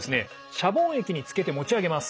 シャボン液につけて持ち上げます。